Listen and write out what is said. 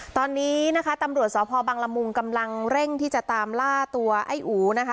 ตอนนี้นะคะตำรวจสพบังละมุงกำลังเร่งที่จะตามล่าตัวไอ้อู๋นะคะ